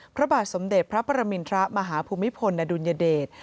พระบาทสมเด็จพระประมินทรมาฮภูมิพลอดุลยเดช